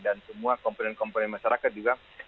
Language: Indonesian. dan semua komponen komponen masyarakat juga